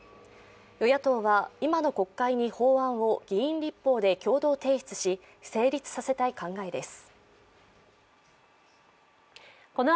与野党は今の国会に法案を議員立法で共同提出し成立させたい考えです。